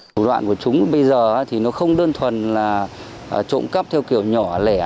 thủ đoạn của chúng bây giờ thì nó không đơn thuần là trộm cắp theo kiểu nhỏ lẻ